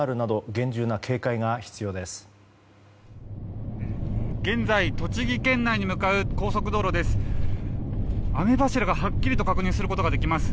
現在、栃木県内に向かう高速道路です。